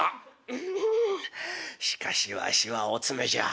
うんしかしわしはお詰めじゃ。